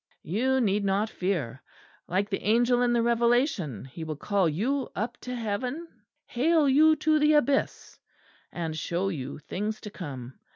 You need not fear. Like the angel in the Revelation, he will call you up to heaven, hale you to the abyss and show you things to come.